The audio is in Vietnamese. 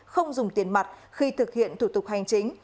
không dùng tiền mặt khi thực hiện thủ tục hành chính